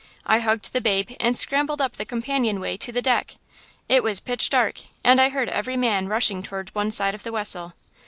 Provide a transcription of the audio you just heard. I hugged the babe and scrambled up the companionway to the deck. It was pitch dark, and I heard every man rushing toward one side of the wessel.